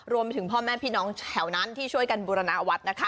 รวมไปถึงพ่อแม่พี่น้องแถวนั้นที่ช่วยกันบูรณวัดนะคะ